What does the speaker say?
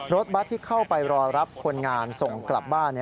รถบัตรที่เข้าไปรอรับคนงานส่งกลับบ้าน